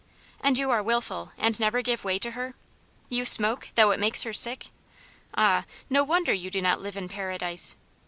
And you are wilful, and never give way to her? You smoke, though it makes her sick ? Ah, no wonder you do not live in Paradise